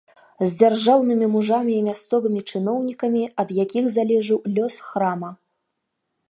З дзяржаўнымі мужамі і мясцовымі чыноўнікамі, ад якіх залежаў лёс храма.